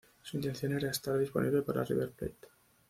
Su intención era estar disponible para River Plate.